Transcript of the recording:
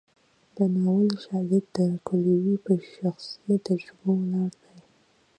د ناول شالید د کویلیو په شخصي تجربو ولاړ دی.